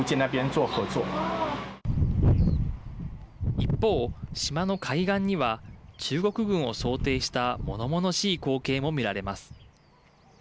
一方、島の海岸には中国軍を想定したものものしい光景も見られます。